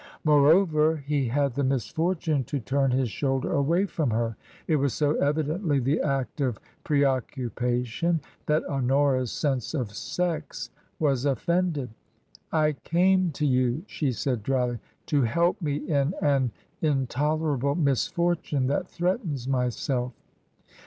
Moreover, he had the misfortune to turn his shoulder away from her ; it was so evidently the act of preoccu pation that Honora's sense of sex was offended. " I came to you," she said, drily, " to help me in an intolerable misfortune that threatens myself."